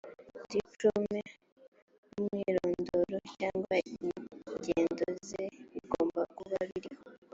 diplome n’ umwirondoro cyangwa ingendo ze bigomba kuba birimo